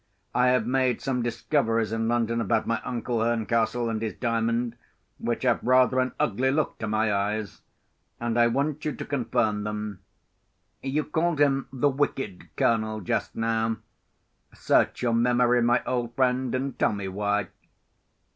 I have made some discoveries in London about my uncle Herncastle and his Diamond, which have rather an ugly look to my eyes; and I want you to confirm them. You called him the 'wicked Colonel' just now. Search your memory, my old friend, and tell me why."